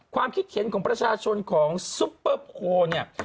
ความคิดเห็นของประชาชนของซุปเปอร์โพลเนี่ย